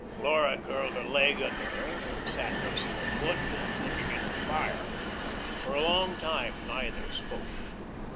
Laura curled her leg under her and sat nursing her foot and looking into the fire. For a long time neither spoke.